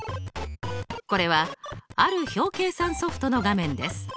これはある表計算ソフトの画面です。